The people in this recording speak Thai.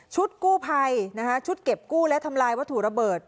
ชุดกู้ไพรนะคะชุดเก็บกู้และทำลายวัตถุระเบิด